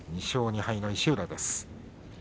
２勝２敗の石浦です。